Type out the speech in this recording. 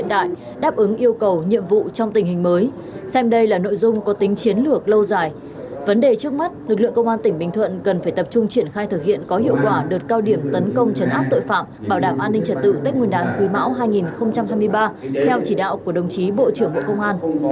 đại đáp ứng yêu cầu nhiệm vụ trong tình hình mới xem đây là nội dung có tính chiến lược lâu dài vấn đề trước mắt lực lượng công an tỉnh bình thuận cần phải tập trung triển khai thực hiện có hiệu quả đợt cao điểm tấn công trấn áp tội phạm bảo đảm an ninh trật tự tách nguyên đáng quy mạo hai nghìn hai mươi ba theo chỉ đạo của đồng chí bộ trưởng bộ công an